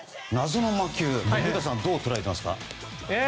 謎の魔球古田さん、どう捉えてますか？